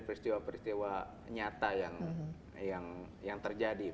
ketika saya menulis saya menulis